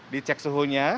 di cek suhunya